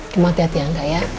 semoga hati hati ya nggak ya